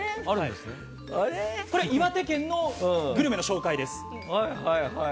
これ、岩手県のグルメの紹介です。